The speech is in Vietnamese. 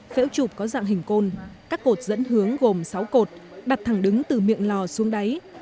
phễu trụp có dạng hình côn các cột dẫn hướng gồm sáu cột đặt thẳng đứng từ miệng lò xuống đáy